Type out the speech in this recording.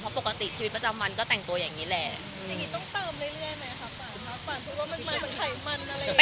เพราะปกติชีวิตประจำมันก็แต่งตัวอย่างนี้แหละ